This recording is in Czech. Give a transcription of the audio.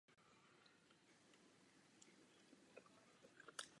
Má vlastní pořad v rádiu.